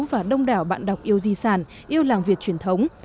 và đông đảo bạn đọc yêu di sản yêu làng việt truyền thống